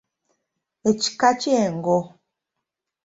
Ekika ky'Engo.